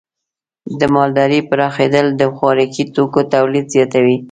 د مالدارۍ پراخېدل د خوراکي توکو تولید زیاتوي.